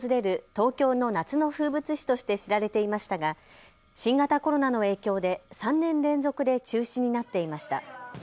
東京の夏の風物詩として知られていましたが新型コロナの影響で３年連続で中止になっていました。